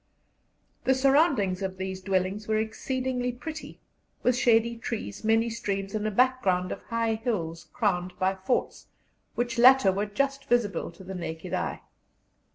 The surroundings of these dwellings were exceedingly pretty, with shady trees, many streams, and a background of high hills crowned by forts, which latter were just visible to the naked eye.